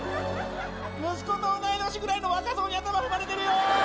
息子と同い年ぐらいの若造に頭踏まれてるよ。